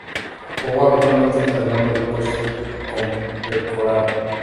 Jugó habitualmente, alternando el puesto con Pecoraro.